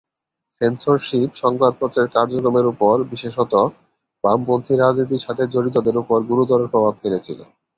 Censorship সংবাদপত্রের কার্যক্রমের উপর বিশেষত বামপন্থী রাজনীতির সাথে জড়িতদের উপর গুরুতর প্রভাব ফেলেছিল।